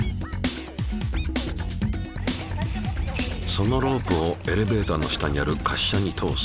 そのロープをエレベーターの下にある滑車に通す。